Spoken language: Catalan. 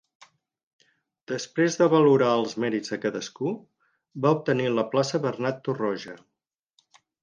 Després de valorar els mèrits de cadascú, va obtenir la plaça Bernat Torroja.